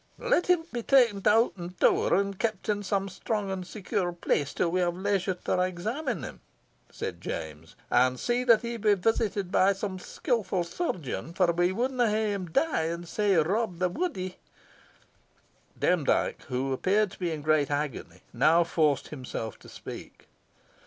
"Let him be taken to Hoghton Tower, and kept in some strong and secure place till we have leisure to examine him," said James, "and see that he be visited by some skilful chirurgeon, for we wadna hae him dee, and sae rob the woodie." Demdike, who appeared to be in great agony, now forced himself to speak.